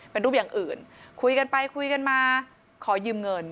เป็นรูปอย่างอื่นคุยกันไปคุยกันมาขอยืมเงิน